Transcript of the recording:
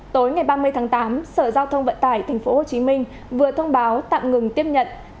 tối ngày ba mươi tháng tám sở giao thông vận tải tp hcm vừa thông báo tạm ngừng tiếp nhận